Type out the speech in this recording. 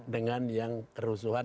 dengan yang kerusuhan